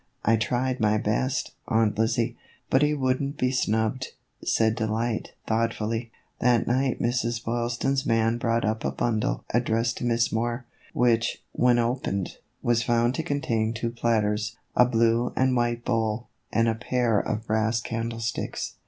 " I tried my best, Aunt Lizzie, but he would n't be snubbed," said Delight, thoughtfully. That night Mrs. Boylston's man brought up a bundle addressed to Miss Moore, which, when opened, was found to contain two platters, a blue and white bowl, and a pair of brass candlesticks.